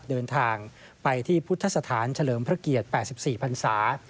เดินทางไปที่พุทธสถานเฉลิมพระเกียรติ๘๔พันศา